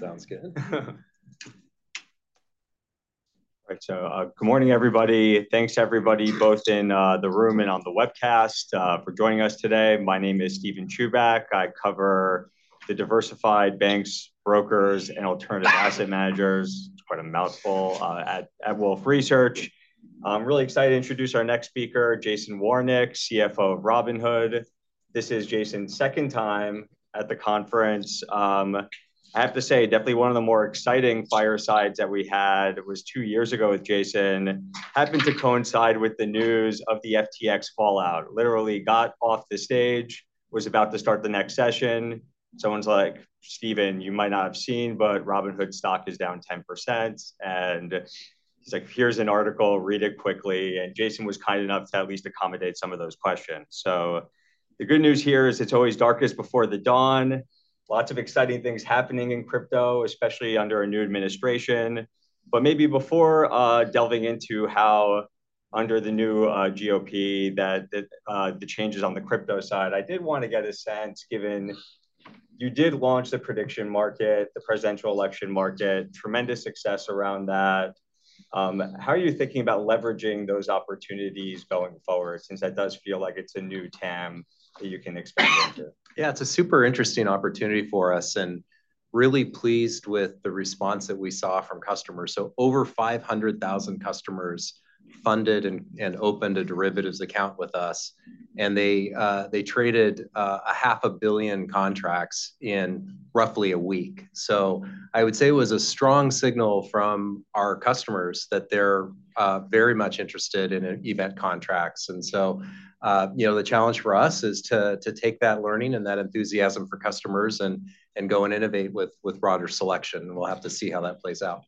Sounds good. All right, so good morning, everybody. Thanks to everybody, both in the room and on the webcast, for joining us today. My name is Steven Chubak. I cover the diversified banks, brokers, and alternative asset managers. It's quite a mouthful at Wolfe Research. I'm really excited to introduce our next speaker, Jason Warnick, CFO of Robinhood. This is Jason's second time at the conference. I have to say, definitely one of the more exciting firesides that we had was two years ago with Jason. It happened to coincide with the news of the FTX fallout. Literally got off the stage, was about to start the next session. Someone's like, "Steven, you might not have seen, but Robinhood stock is down 10%." And he's like, "Here's an article, read it quickly." And Jason was kind enough to at least accommodate some of those questions. So the good news here is it's always darkest before the dawn. Lots of exciting things happening in crypto, especially under a new administration. But maybe before delving into how under the new GOP that the changes on the crypto side, I did want to get a sense, given you did launch the prediction market, the presidential election market, tremendous success around that. How are you thinking about leveraging those opportunities going forward since that does feel like it's a new TAM that you can expect? Yeah, it's a super interesting opportunity for us and really pleased with the response that we saw from customers. So over 500,000 customers funded and opened a derivatives account with us. And they traded 500 million contracts in roughly a week. So I would say it was a strong signal from our customers that they're very much interested in event contracts. And so the challenge for us is to take that learning and that enthusiasm for customers and go and innovate with broader selection. And we'll have to see how that plays out.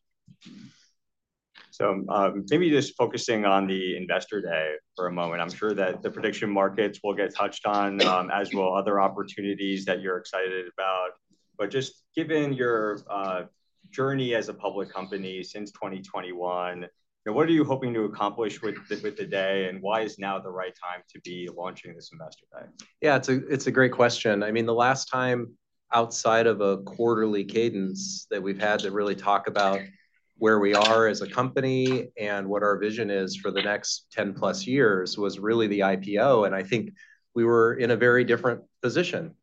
So maybe just focusing on the Investor Day for a moment. I'm sure that the prediction markets will get touched on, as will other opportunities that you're excited about. But just given your journey as a public company since 2021, what are you hoping to accomplish with the day? And why is now the right time to be launching this Investor Day? Yeah, it's a great question. I mean, the last time outside of a quarterly cadence that we've had to really talk about where we are as a company and what our vision is for the next 10+ years was really the IPO. And I think we were in a very different position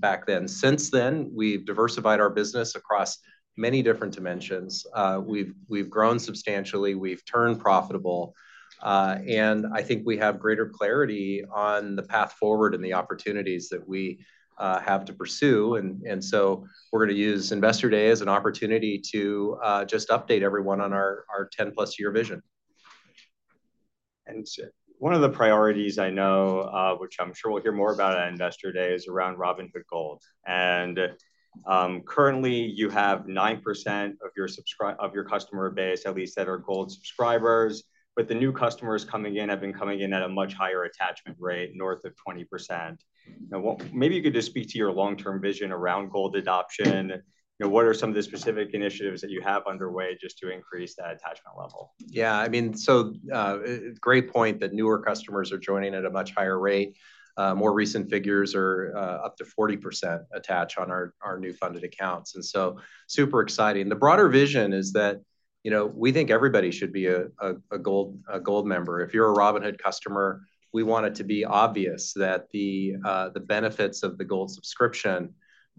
back then. Since then, we've diversified our business across many different dimensions. We've grown substantially. We've turned profitable. And I think we have greater clarity on the path forward and the opportunities that we have to pursue. And so we're going to use Investor Day as an opportunity to just update everyone on our 10+ year vision. One of the priorities I know, which I'm sure we'll hear more about on Investor Day, is around Robinhood Gold. Currently, you have 9% of your customer base, at least, that are gold subscribers. The new customers coming in have been coming in at a much higher attachment rate, north of 20%. Now, maybe you could just speak to your long-term vision around gold adoption. What are some of the specific initiatives that you have underway just to increase that attachment level? Yeah, I mean, so great point that newer customers are joining at a much higher rate. More recent figures are up to 40% attach on our new funded accounts. And so super exciting. The broader vision is that we think everybody should be a Gold member. If you're a Robinhood customer, we want it to be obvious that the benefits of the Gold subscription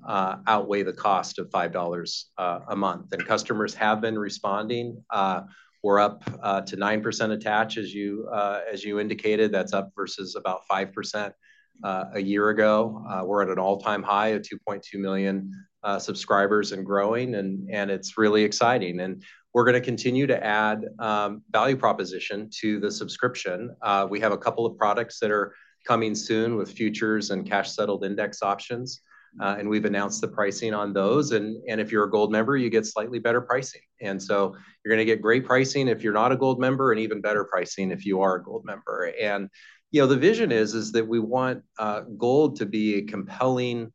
outweigh the cost of $5 a month. And customers have been responding. We're up to 9% attach, as you indicated. That's up versus about 5% a year ago. We're at an all-time high of 2.2 million subscribers and growing. And it's really exciting. And we're going to continue to add value proposition to the subscription. We have a couple of products that are coming soon with futures and cash-settled index options. And we've announced the pricing on those. And if you're a gold member, you get slightly better pricing. And so you're going to get great pricing if you're not a gold member and even better pricing if you are a gold member. And the vision is that we want gold to be a compelling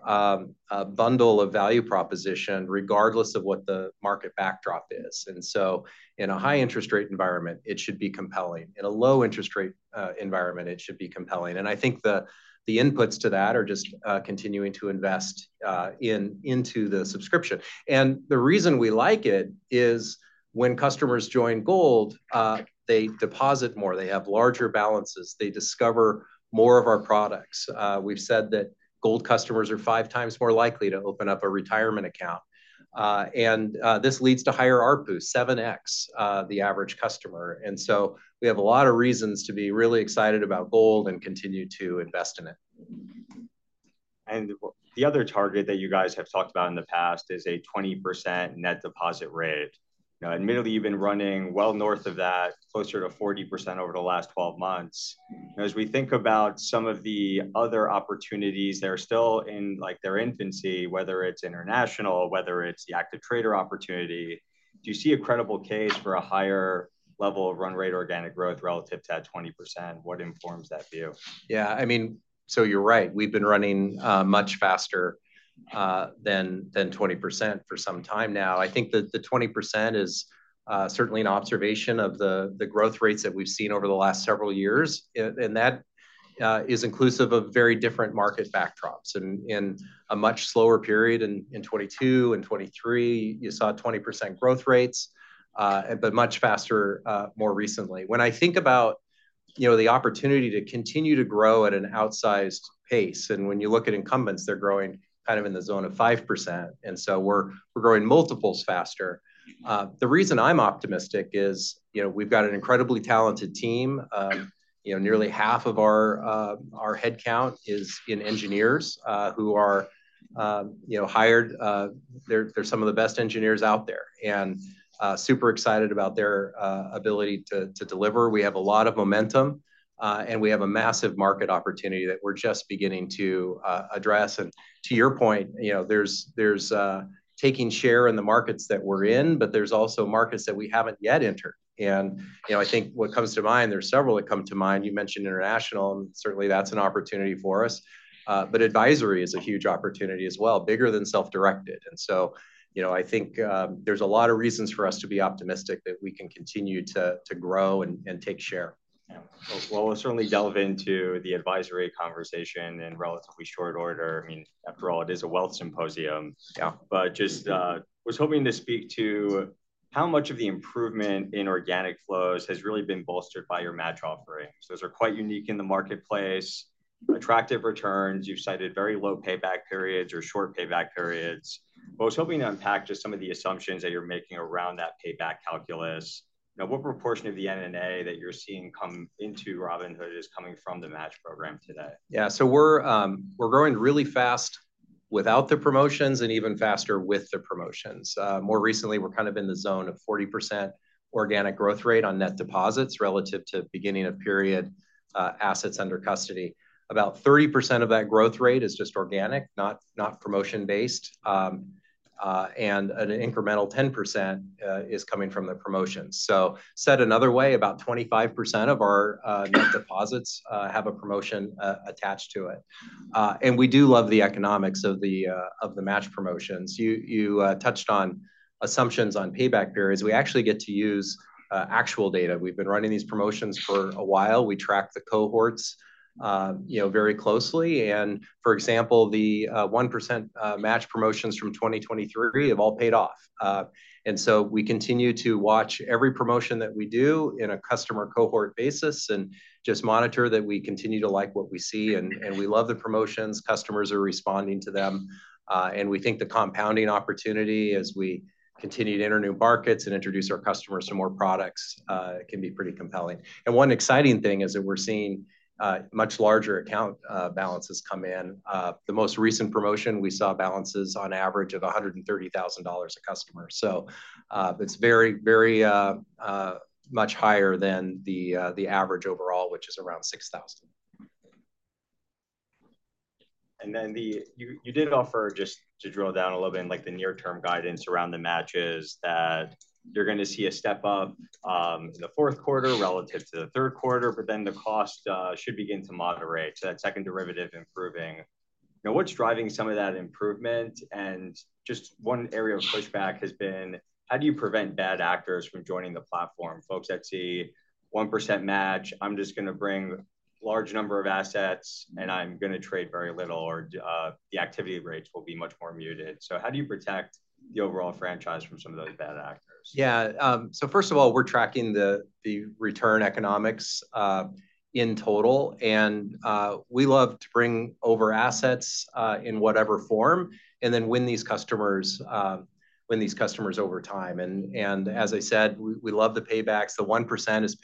bundle of value proposition regardless of what the market backdrop is. And so in a high interest rate environment, it should be compelling. In a low interest rate environment, it should be compelling. And I think the inputs to that are just continuing to invest into the subscription. And the reason we like it is when customers join gold, they deposit more. They have larger balances. They discover more of our products. We've said that gold customers are five times more likely to open up a retirement account. And this leads to higher RPU, 7X the average customer. We have a lot of reasons to be really excited about Gold and continue to invest in it. And the other target that you guys have talked about in the past is a 20% net deposit rate. Admittedly, you've been running well north of that, closer to 40% over the last 12 months. As we think about some of the other opportunities that are still in their infancy, whether it's international, whether it's the active trader opportunity, do you see a credible case for a higher level of run rate organic growth relative to that 20%? What informs that view? Yeah, I mean, so you're right. We've been running much faster than 20% for some time now. I think the 20% is certainly an observation of the growth rates that we've seen over the last several years. And that is inclusive of very different market backdrops. In a much slower period in 2022 and 2023, you saw 20% growth rates, but much faster more recently. When I think about the opportunity to continue to grow at an outsized pace, and when you look at incumbents, they're growing kind of in the zone of 5%. And so we're growing multiples faster. The reason I'm optimistic is we've got an incredibly talented team. Nearly half of our headcount is in engineers who are hired. They're some of the best engineers out there. And super excited about their ability to deliver. We have a lot of momentum. And we have a massive market opportunity that we're just beginning to address. And to your point, there's taking share in the markets that we're in, but there's also markets that we haven't yet entered. And I think what comes to mind, there's several that come to mind. You mentioned international, and certainly that's an opportunity for us. But advisory is a huge opportunity as well, bigger than self-directed. And so I think there's a lot of reasons for us to be optimistic that we can continue to grow and take share. We'll certainly delve into the advisory conversation in relatively short order. I mean, after all, it is a wealth symposium, but just was hoping to speak to how much of the improvement in organic flows has really been bolstered by your match offering. Those are quite unique in the marketplace. Attractive returns. You've cited very low payback periods or short payback periods, but I was hoping to unpack just some of the assumptions that you're making around that payback calculus. Now, what proportion of the NNA that you're seeing come into Robinhood is coming from the match program today? Yeah, so we're growing really fast without the promotions and even faster with the promotions. More recently, we're kind of in the zone of 40% organic growth rate on net deposits relative to beginning of period assets under custody. About 30% of that growth rate is just organic, not promotion-based. And an incremental 10% is coming from the promotions. So said another way, about 25% of our net deposits have a promotion attached to it. And we do love the economics of the match promotions. You touched on assumptions on payback periods. We actually get to use actual data. We've been running these promotions for a while. We track the cohorts very closely. And for example, the 1% match promotions from 2023 have all paid off. And so we continue to watch every promotion that we do in a customer cohort basis and just monitor that we continue to like what we see. And we love the promotions. Customers are responding to them. And we think the compounding opportunity as we continue to enter new markets and introduce our customers to more products can be pretty compelling. And one exciting thing is that we're seeing much larger account balances come in. The most recent promotion, we saw balances on average of $130,000 a customer. So it's very, very much higher than the average overall, which is around $6,000. And then you did offer, just to drill down a little bit, like the near-term guidance around the matches that you're going to see a step up in the fourth quarter relative to the third quarter, but then the cost should begin to moderate, that second derivative improving. Now, what's driving some of that improvement? And just one area of pushback has been, how do you prevent bad actors from joining the platform? Folks that see 1% match, I'm just going to bring a large number of assets, and I'm going to trade very little, or the activity rates will be much more muted. So how do you protect the overall franchise from some of those bad actors? Yeah, so first of all, we're tracking the return economics in total. And we love to bring over assets in whatever form and then win these customers over time. And as I said, we love the paybacks. The 1% is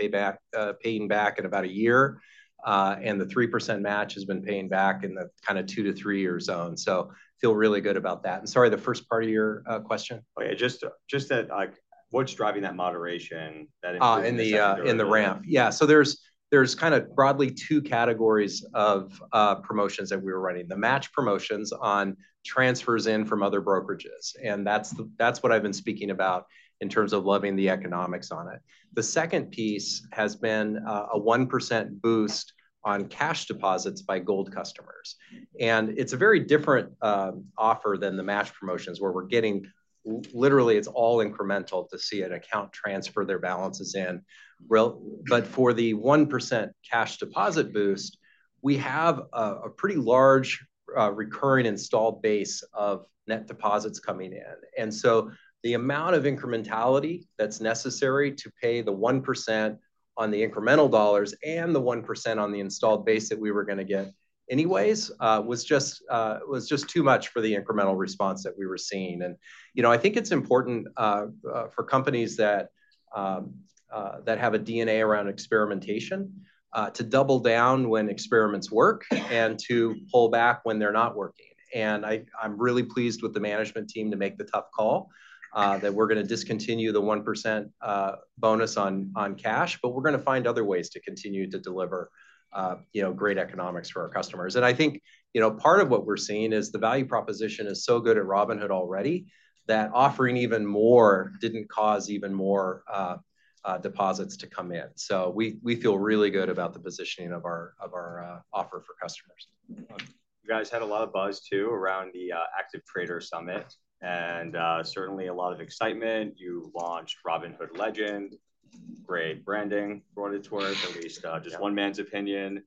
paying back in about a year. And the 3% match has been paying back in the kind of two to three-year zone. So feel really good about that. And sorry, the first part of your question? Oh, yeah, just what's driving that moderation, that increase in return? In the ramp. Yeah, so there's kind of broadly two categories of promotions that we were running: the match promotions on transfers in from other brokerages, and that's what I've been speaking about in terms of loving the economics on it. The second piece has been a 1% boost on cash deposits by gold customers, and it's a very different offer than the match promotions where we're getting literally, it's all incremental to see an account transfer their balances in. But for the 1% cash deposit boost, we have a pretty large recurring installed base of net deposits coming in, and so the amount of incrementality that's necessary to pay the 1% on the incremental dollars and the 1% on the installed base that we were going to get anyways was just too much for the incremental response that we were seeing. I think it's important for companies that have a DNA around experimentation to double down when experiments work and to pull back when they're not working. I'm really pleased with the management team to make the tough call that we're going to discontinue the 1% bonus on cash, but we're going to find other ways to continue to deliver great economics for our customers. I think part of what we're seeing is the value proposition is so good at Robinhood already that offering even more didn't cause even more deposits to come in. We feel really good about the positioning of our offer for customers. You guys had a lot of buzz too around the Active Trader Summit and certainly a lot of excitement. You launched Robinhood Legend, great branding brought it towards, at least just one man's opinion,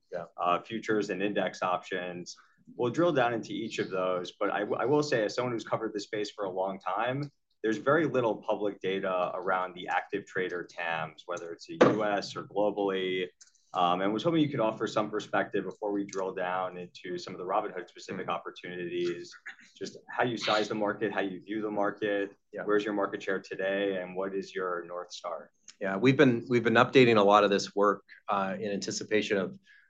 futures and index options. We'll drill down into each of those. But I will say, as someone who's covered the space for a long time, there's very little public data around the active trader TAMs, whether it's a U.S. or globally. I was hoping you could offer some perspective before we drill down into some of the Robinhood-specific opportunities, just how you size the market, how you view the market, where's your market share today, and what is your North Star? Yeah, we've been updating a lot of this work in anticipation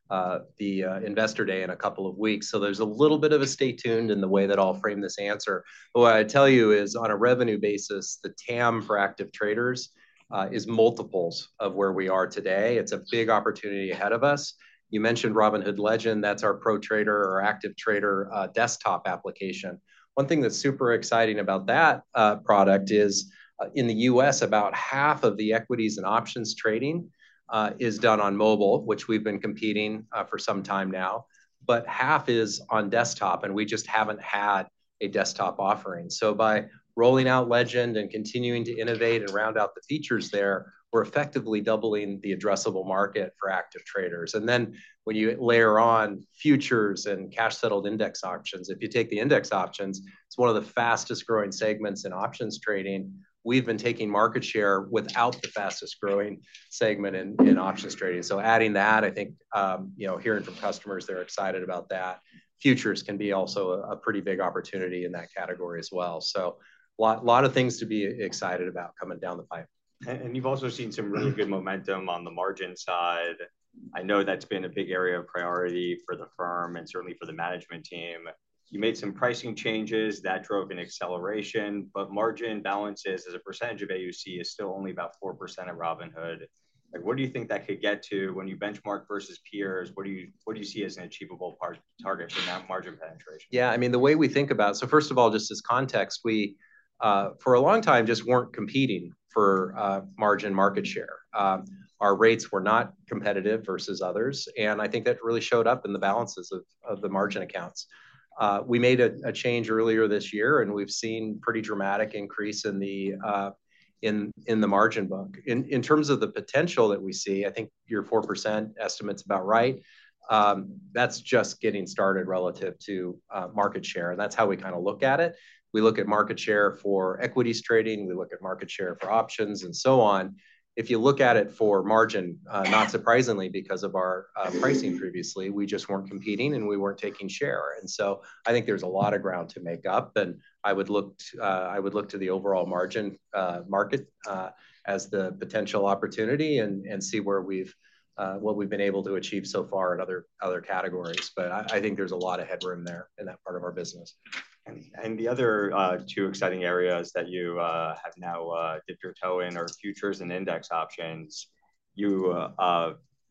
of the Investor Day in a couple of weeks. So there's a little bit of a stay tuned in the way that I'll frame this answer. But what I tell you is on a revenue basis, the TAM for active traders is multiples of where we are today. It's a big opportunity ahead of us. You mentioned Robinhood Legend. That's our pro trader or active trader desktop application. One thing that's super exciting about that product is in the U.S., about half of the equities and options trading is done on mobile, which we've been competing for some time now. But half is on desktop, and we just haven't had a desktop offering. So by rolling out Legend and continuing to innovate and round out the features there, we're effectively doubling the addressable market for active traders. Then when you layer on futures and cash-settled index options, if you take the index options, it is one of the fastest growing segments in options trading. We have been taking market share within the fastest growing segment in options trading. Adding that, I think hearing from customers, they are excited about that. Futures can be also a pretty big opportunity in that category as well. A lot of things to be excited about coming down the pipe. You've also seen some really good momentum on the margin side. I know that's been a big area of priority for the firm and certainly for the management team. You made some pricing changes that drove an acceleration, but margin balances as a percentage of AUC is still only about 4% of Robinhood. What do you think that could get to when you benchmark versus peers? What do you see as an achievable target for that margin penetration? Yeah, I mean, the way we think about it, so first of all, just as context, we for a long time just weren't competing for margin market share. Our rates were not competitive versus others. And I think that really showed up in the balances of the margin accounts. We made a change earlier this year, and we've seen pretty dramatic increase in the margin book. In terms of the potential that we see, I think your 4% estimate's about right. That's just getting started relative to market share. And that's how we kind of look at it. We look at market share for equities trading. We look at market share for options and so on. If you look at it for margin, not surprisingly because of our pricing previously, we just weren't competing and we weren't taking share. I think there's a lot of ground to make up. I would look to the overall margin market as the potential opportunity and see what we've been able to achieve so far in other categories. I think there's a lot of headroom there in that part of our business. The other two exciting areas that you have now dipped your toe in are futures and index options. You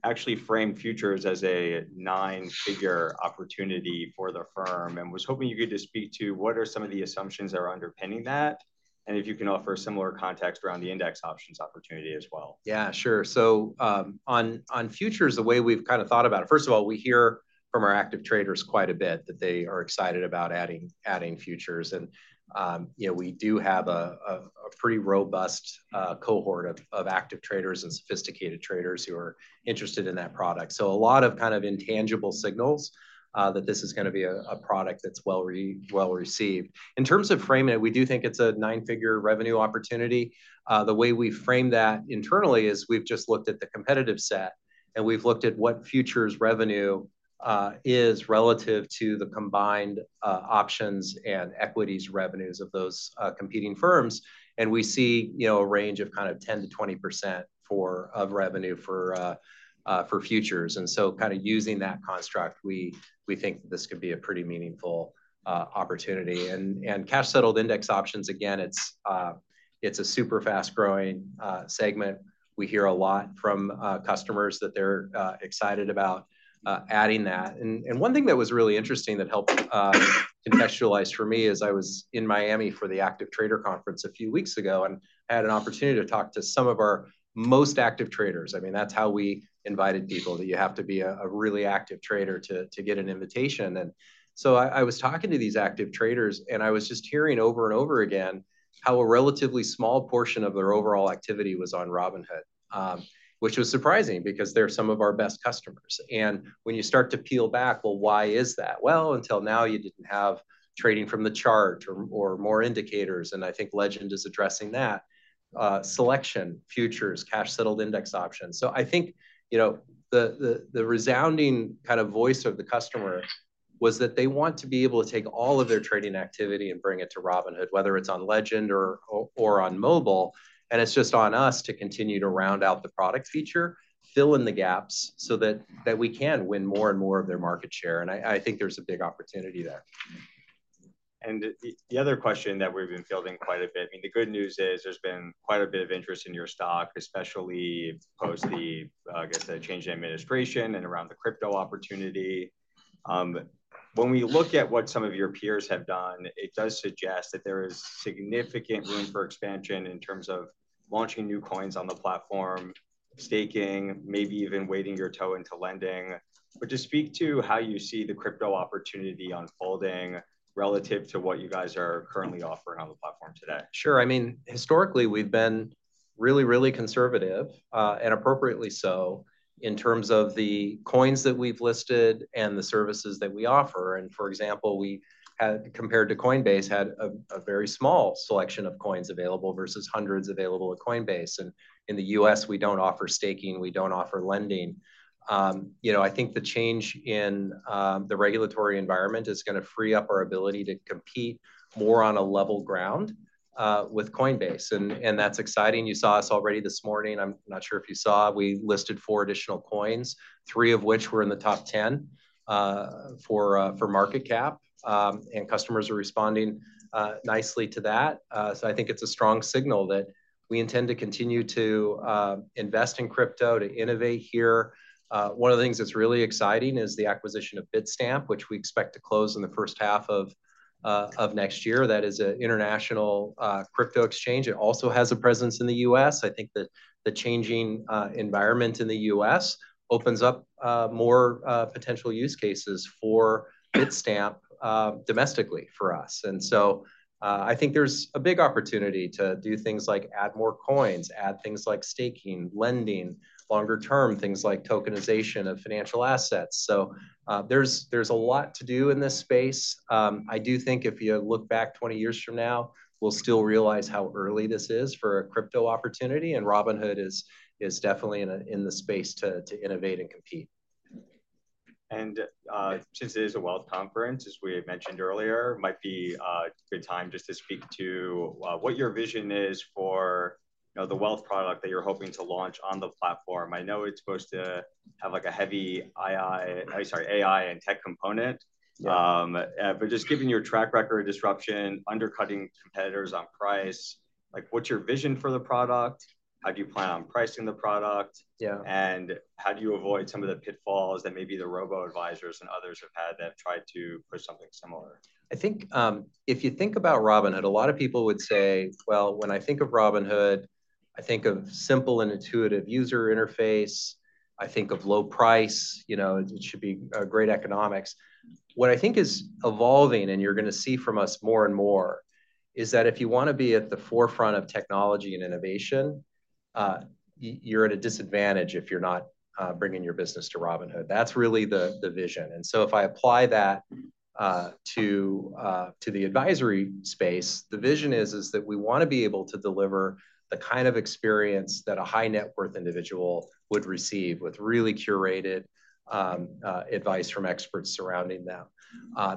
actually framed futures as a nine-figure opportunity for the firm and was hoping you could just speak to what are some of the assumptions that are underpinning that and if you can offer similar context around the index options opportunity as well. Yeah, sure. So on futures, the way we've kind of thought about it, first of all, we hear from our active traders quite a bit that they are excited about adding futures. And we do have a pretty robust cohort of active traders and sophisticated traders who are interested in that product. So a lot of kind of intangible signals that this is going to be a product that's well received. In terms of framing it, we do think it's a nine-figure revenue opportunity. The way we frame that internally is we've just looked at the competitive set, and we've looked at what futures revenue is relative to the combined options and equities revenues of those competing firms. And we see a range of kind of 10%-20% of revenue for futures. And so kind of using that construct, we think this could be a pretty meaningful opportunity. Cash-settled index options, again, it's a super fast-growing segment. We hear a lot from customers that they're excited about adding that. One thing that was really interesting that helped contextualize for me is I was in Miami for the Active Trader Conference a few weeks ago, and I had an opportunity to talk to some of our most active traders. I mean, that's how we invited people, that you have to be a really active trader to get an invitation. So I was talking to these active traders, and I was just hearing over and over again how a relatively small portion of their overall activity was on Robinhood, which was surprising because they're some of our best customers. When you start to peel back, well, why is that? Until now, you didn't have trading from the chart or more indicators. And I think Legend is addressing that: selection, futures, cash-settled index options. So I think the resounding kind of voice of the customer was that they want to be able to take all of their trading activity and bring it to Robinhood, whether it's on Legend or on mobile. And it's just on us to continue to round out the product feature, fill in the gaps so that we can win more and more of their market share. And I think there's a big opportunity there. And the other question that we've been fielding quite a bit, I mean, the good news is there's been quite a bit of interest in your stock, especially post the, I guess, the change in administration and around the crypto opportunity. When we look at what some of your peers have done, it does suggest that there is significant room for expansion in terms of launching new coins on the platform, staking, maybe even dipping your toe into lending. But to speak to how you see the crypto opportunity unfolding relative to what you guys are currently offering on the platform today. Sure. I mean, historically, we've been really, really conservative, and appropriately so in terms of the coins that we've listed and the services that we offer. And for example, compared to Coinbase, we had a very small selection of coins available versus hundreds available at Coinbase. And in the U.S., we don't offer staking. We don't offer lending. I think the change in the regulatory environment is going to free up our ability to compete more on a level ground with Coinbase. And that's exciting. You saw us already this morning. I'm not sure if you saw. We listed four additional coins, three of which were in the top 10 for market cap. And customers are responding nicely to that. So I think it's a strong signal that we intend to continue to invest in crypto, to innovate here. One of the things that's really exciting is the acquisition of Bitstamp, which we expect to close in the first half of next year. That is an international crypto exchange. It also has a presence in the U.S. I think that the changing environment in the U.S. opens up more potential use cases for Bitstamp domestically for us. And so I think there's a big opportunity to do things like add more coins, add things like staking, lending, longer-term things like tokenization of financial assets. So there's a lot to do in this space. I do think if you look back 20 years from now, we'll still realize how early this is for a crypto opportunity. And Robinhood is definitely in the space to innovate and compete. And since it is a wealth conference, as we had mentioned earlier, it might be a good time just to speak to what your vision is for the wealth product that you're hoping to launch on the platform. I know it's supposed to have like a heavy AI and tech component. But just given your track record of disruption, undercutting competitors on price, what's your vision for the product? How do you plan on pricing the product? And how do you avoid some of the pitfalls that maybe the robo-advisors and others have had that have tried to push something similar? I think if you think about Robinhood, a lot of people would say, well, when I think of Robinhood, I think of simple and intuitive user interface. I think of low price. It should be great economics. What I think is evolving, and you're going to see from us more and more, is that if you want to be at the forefront of technology and innovation, you're at a disadvantage if you're not bringing your business to Robinhood. That's really the vision, and so if I apply that to the advisory space, the vision is that we want to be able to deliver the kind of experience that a high-net-worth individual would receive with really curated advice from experts surrounding them.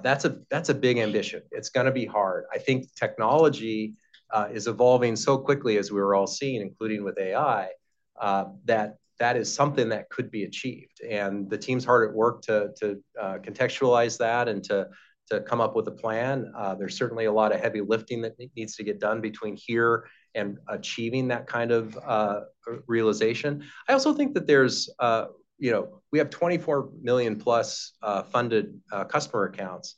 That's a big ambition. It's going to be hard. I think technology is evolving so quickly, as we were all seeing, including with AI, that that is something that could be achieved. And the team's hard at work to contextualize that and to come up with a plan. There's certainly a lot of heavy lifting that needs to get done between here and achieving that kind of realization. I also think that we have 24,000,000+ funded customer accounts.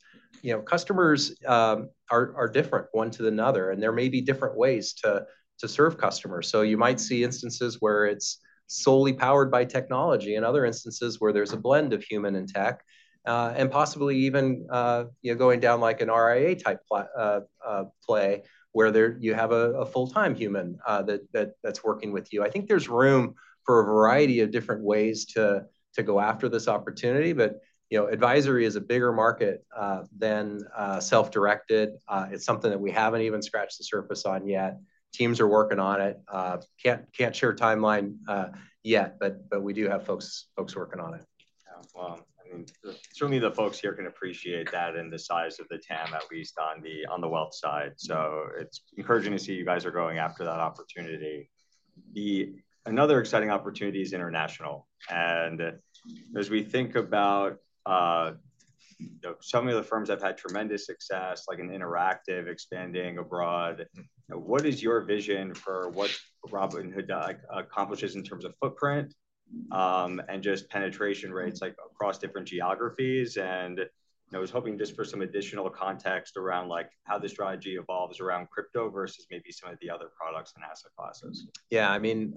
Customers are different one to another, and there may be different ways to serve customers. So you might see instances where it's solely powered by technology and other instances where there's a blend of human and tech, and possibly even going down like an RIA-type play where you have a full-time human that's working with you. I think there's room for a variety of different ways to go after this opportunity. But advisory is a bigger market than self-directed. It's something that we haven't even scratched the surface on yet. Teams are working on it. Can't share a timeline yet, but we do have folks working on it. Wow. I mean, certainly the folks here can appreciate that and the size of the TAM, at least on the wealth side, so it's encouraging to see you guys are going after that opportunity. Another exciting opportunity is international, and as we think about some of the firms that have had tremendous success, like Interactive expanding abroad, what is your vision for what Robinhood accomplishes in terms of footprint and just penetration rates across different geographies? And I was hoping just for some additional context around how the strategy evolves around crypto versus maybe some of the other products and asset classes. Yeah. I mean,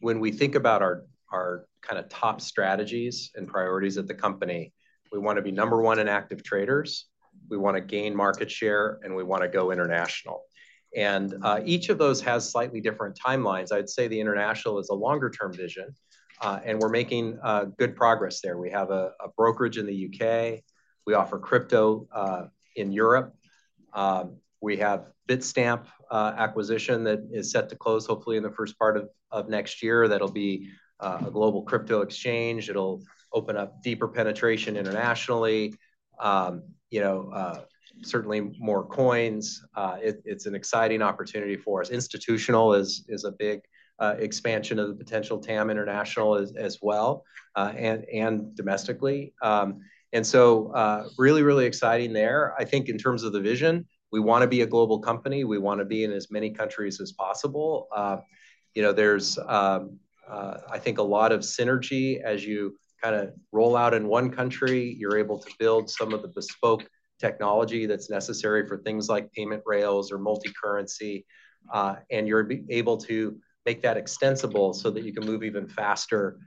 when we think about our kind of top strategies and priorities at the company, we want to be number one in active traders. We want to gain market share, and we want to go international. And each of those has slightly different timelines. I'd say the international is a longer-term vision, and we're making good progress there. We have a brokerage in the U.K. We offer crypto in Europe. We have Bitstamp acquisition that is set to close, hopefully, in the first part of next year. That'll be a global crypto exchange. It'll open up deeper penetration internationally, certainly more coins. It's an exciting opportunity for us. Institutional is a big expansion of the potential TAM international as well and domestically. And so really, really exciting there. I think in terms of the vision, we want to be a global company. We want to be in as many countries as possible. There's, I think, a lot of synergy. As you kind of roll out in one country, you're able to build some of the bespoke technology that's necessary for things like payment rails or multicurrency, and you're able to make that extensible so that you can move even faster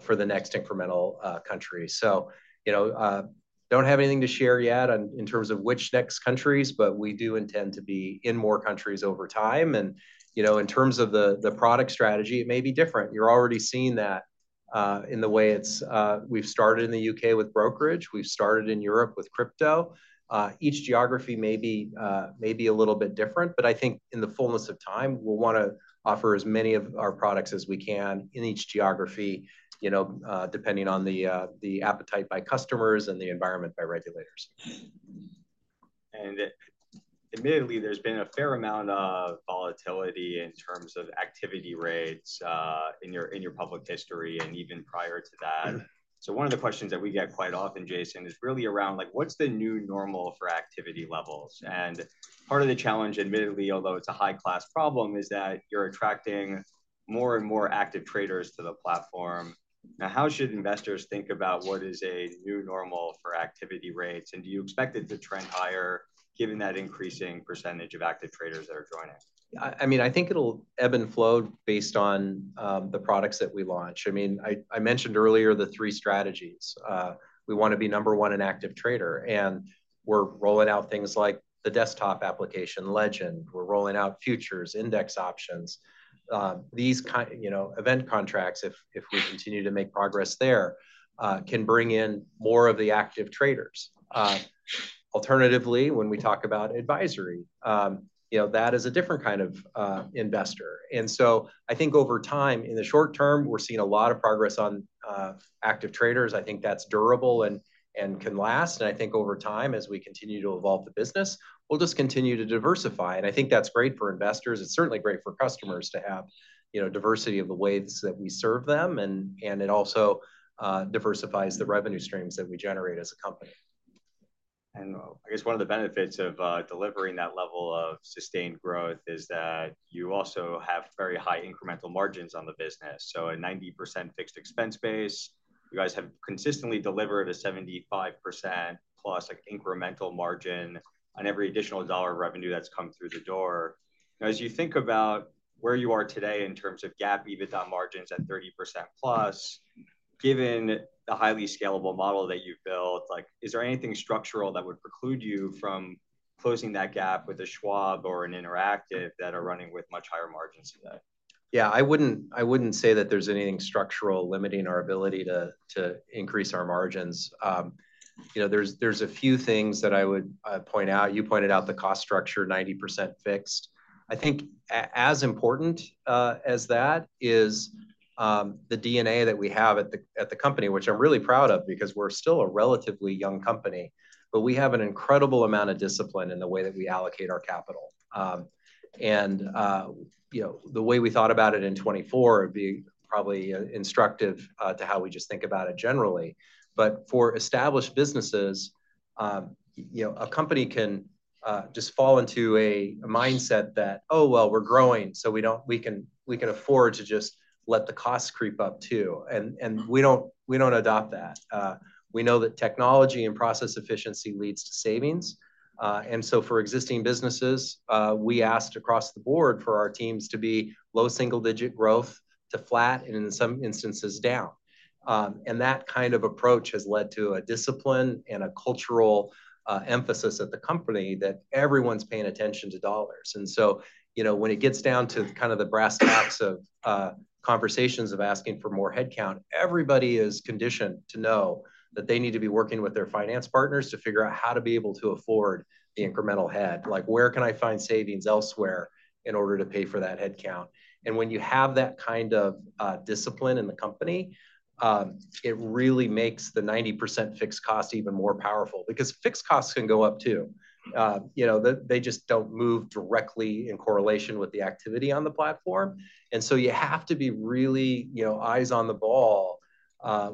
for the next incremental country, so don't have anything to share yet in terms of which next countries, but we do intend to be in more countries over time, and in terms of the product strategy, it may be different. You're already seeing that in the way we've started in the U.K. with brokerage. We've started in Europe with crypto. Each geography may be a little bit different. But I think in the fullness of time, we'll want to offer as many of our products as we can in each geography, depending on the appetite by customers and the environment by regulators. Admittedly, there's been a fair amount of volatility in terms of activity rates in your public history and even prior to that. One of the questions that we get quite often, Jason, is really around what's the new normal for activity levels? And part of the challenge, admittedly, although it's a high-class problem, is that you're attracting more and more active traders to the platform. Now, how should investors think about what is a new normal for activity rates? And do you expect it to trend higher given that increasing percentage of active traders that are joining? I mean, I think it'll ebb and flow based on the products that we launch. I mean, I mentioned earlier the three strategies. We want to be number one in active trader, and we're rolling out things like the desktop application, Legend. We're rolling out futures, index options. These event contracts, if we continue to make progress there, can bring in more of the active traders. Alternatively, when we talk about advisory, that is a different kind of investor, and so I think over time, in the short-term, we're seeing a lot of progress on active traders. I think that's durable and can last, and I think over time, as we continue to evolve the business, we'll just continue to diversify. And I think that's great for investors. It's certainly great for customers to have diversity of the ways that we serve them. It also diversifies the revenue streams that we generate as a company. I guess one of the benefits of delivering that level of sustained growth is that you also have very high incremental margins on the business. So a 90% fixed expense base, you guys have consistently delivered a 75%+ incremental margin on every additional dollar of revenue that's come through the door. Now, as you think about where you are today in terms of gap, EBITDA margins at 30%+, given the highly scalable model that you've built, is there anything structural that would preclude you from closing that gap with a Schwab or an Interactive that are running with much higher margins today? Yeah. I wouldn't say that there's anything structural limiting our ability to increase our margins. There's a few things that I would point out. You pointed out the cost structure, 90% fixed. I think as important as that is the DNA that we have at the company, which I'm really proud of because we're still a relatively young company. But we have an incredible amount of discipline in the way that we allocate our capital. And the way we thought about it in 2024 would be probably instructive to how we just think about it generally. But for established businesses, a company can just fall into a mindset that, oh, well, we're growing, so we can afford to just let the costs creep up too. And we don't adopt that. We know that technology and process efficiency leads to savings. And so for existing businesses, we asked across the board for our teams to be low single-digit growth to flat and in some instances down. And that kind of approach has led to a discipline and a cultural emphasis at the company that everyone's paying attention to dollars. And so when it gets down to kind of the brass tacks of conversations of asking for more headcount, everybody is conditioned to know that they need to be working with their finance partners to figure out how to be able to afford the incremental head. Like, where can I find savings elsewhere in order to pay for that headcount? And when you have that kind of discipline in the company, it really makes the 90% fixed cost even more powerful because fixed costs can go up too. They just don't move directly in correlation with the activity on the platform. And so you have to be really eyes on the ball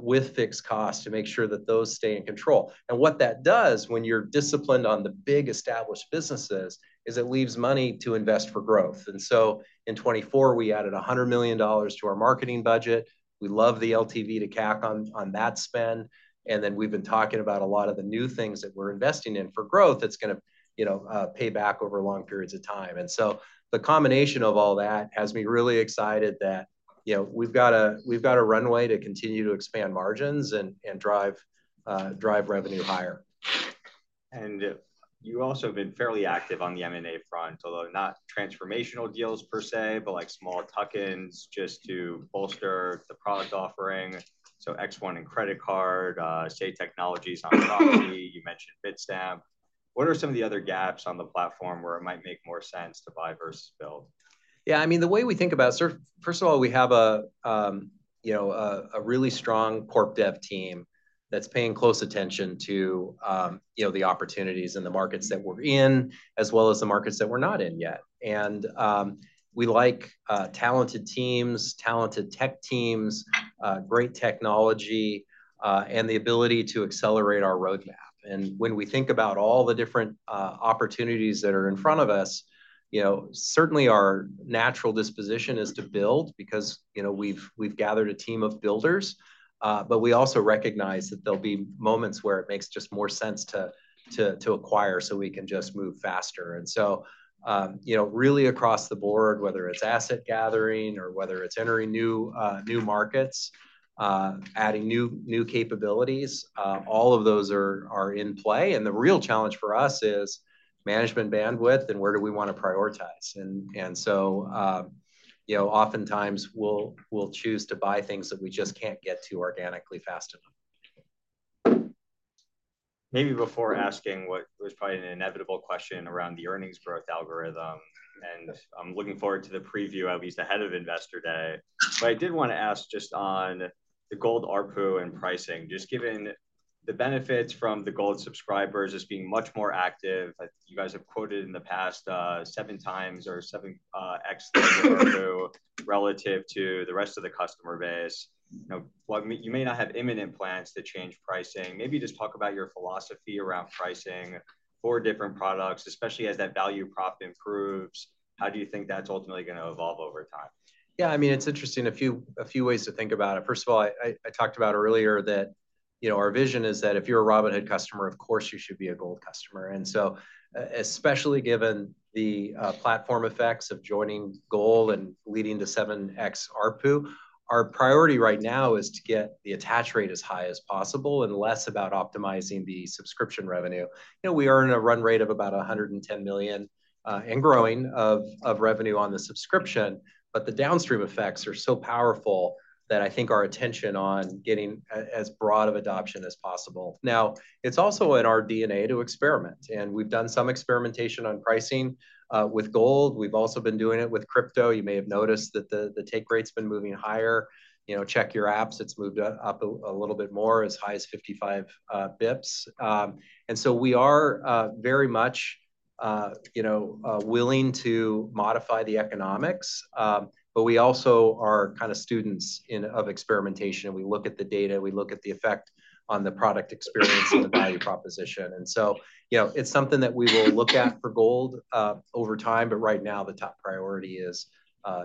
with fixed costs to make sure that those stay in control. And what that does when you're disciplined on the big established businesses is it leaves money to invest for growth. And so in 2024, we added $100 million to our marketing budget. We love the LTV to CAC on that spend. And then we've been talking about a lot of the new things that we're investing in for growth that's going to pay back over long periods of time. And so the combination of all that has me really excited that we've got a runway to continue to expand margins and drive revenue higher. And you also have been fairly active on the M&A front, although not transformational deals per se, but like small tuck-ins just to bolster the product offering. So X1 and credit card, Say Technologies on property. You mentioned Bitstamp. What are some of the other gaps on the platform where it might make more sense to buy versus build? Yeah. I mean, the way we think about it, first of all, we have a really strong corp dev team that's paying close attention to the opportunities and the markets that we're in, as well as the markets that we're not in yet. And we like talented teams, talented tech teams, great technology, and the ability to accelerate our roadmap. And when we think about all the different opportunities that are in front of us, certainly our natural disposition is to build because we've gathered a team of builders. But we also recognize that there'll be moments where it makes just more sense to acquire so we can just move faster. And so really across the board, whether it's asset gathering or whether it's entering new markets, adding new capabilities, all of those are in play. The real challenge for us is management bandwidth and where we want to prioritize. So oftentimes, we'll choose to buy things that we just can't get to organically fast enough. Maybe before asking what was probably an inevitable question around the earnings growth algorithm, and I'm looking forward to the preview, at least ahead of Investor Day. But I did want to ask just on the gold ARPU and pricing, just given the benefits from the gold subscribers as being much more active. You guys have quoted in the past seven times or 7X the ARPU relative to the rest of the customer base. You may not have imminent plans to change pricing. Maybe just talk about your philosophy around pricing for different products, especially as that value prop improves. How do you think that's ultimately going to evolve over time? Yeah. I mean, it's interesting, a few ways to think about it. First of all, I talked about earlier that our vision is that if you're a Robinhood customer, of course, you should be a Gold customer. And so especially given the platform effects of joining Gold and leading to 7X ARPU, our priority right now is to get the attach rate as high as possible and less about optimizing the subscription revenue. We are in a run rate of about $110 million and growing of revenue on the subscription. But the downstream effects are so powerful that I think our attention on getting as broad of adoption as possible. Now, it's also in our DNA to experiment. And we've done some experimentation on pricing with Gold. We've also been doing it with crypto. You may have noticed that the take rate's been moving higher. Check your apps. It's moved up a little bit more, as high as 55 basis points. We are very much willing to modify the economics. We also are kind of students of experimentation. We look at the data. We look at the effect on the product experience and the value proposition. It's something that we will look at for gold over time. Right now, the top priority is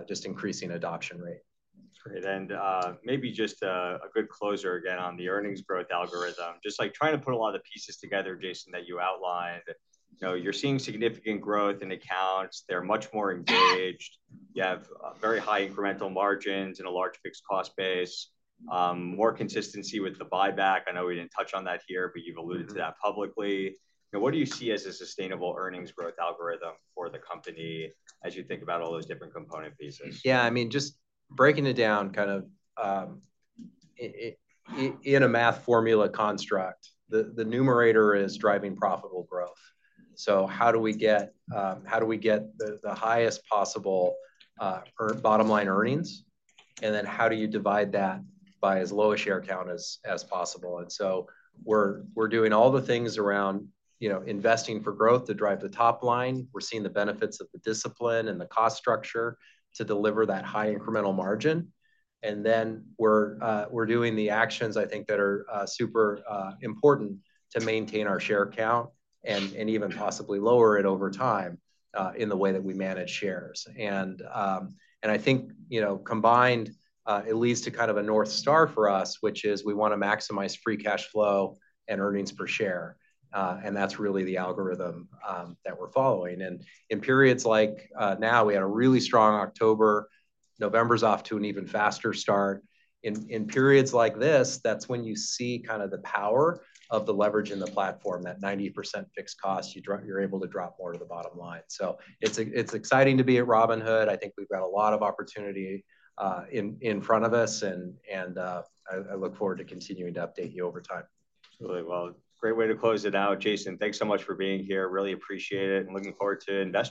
just increasing adoption rate. Great. And maybe just a good closer again on the earnings growth algorithm, just like trying to put a lot of the pieces together, Jason, that you outlined. You're seeing significant growth in accounts. They're much more engaged. You have very high incremental margins and a large fixed cost base, more consistency with the buyback. I know we didn't touch on that here, but you've alluded to that publicly. What do you see as a sustainable earnings growth algorithm for the company as you think about all those different component pieces? Yeah. I mean, just breaking it down kind of in a math formula construct, the numerator is driving profitable growth. So how do we get the highest possible bottom line earnings? And then how do you divide that by as low a share count as possible? And so we're doing all the things around investing for growth to drive the top line. We're seeing the benefits of the discipline and the cost structure to deliver that high incremental margin. And then we're doing the actions, I think, that are super important to maintain our share count and even possibly lower it over time in the way that we manage shares. And I think combined, it leads to kind of a North Star for us, which is we want to maximize free cash flow and earnings per share. And that's really the algorithm that we're following. And in periods like now, we had a really strong October. November's off to an even faster start. In periods like this, that's when you see kind of the power of the leverage in the platform, that 90% fixed cost. You're able to drop more to the bottom line. So it's exciting to be at Robinhood. I think we've got a lot of opportunity in front of us. And I look forward to continuing to update you over time. Absolutely. Well, great way to close it out. Jason, thanks so much for being here. Really appreciate it. And looking forward to investing.